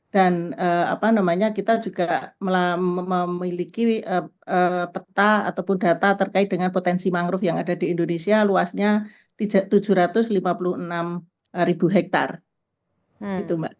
dan kita juga memiliki peta ataupun data terkait dengan potensi mangrove yang ada di indonesia luasnya tujuh ratus lima puluh enam ribu hektare